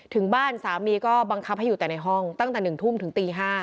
ถึงบ้านสามีก็บังคับให้อยู่แต่ในห้องตั้งแต่๑ทุ่มถึงตี๕